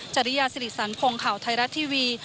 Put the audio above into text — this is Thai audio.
จริยาสิริสันพงศ์ข่าวไทยรัฐทีวี